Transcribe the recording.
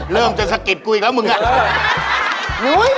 เริ่มจะสะกิดกูอีกแล้วมึงอ่ะ